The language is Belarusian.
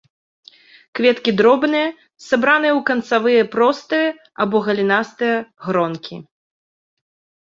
Кветкі дробныя, сабраныя ў канцавыя простыя або галінастыя гронкі.